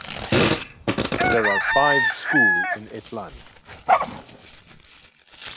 There are five school in Eflani.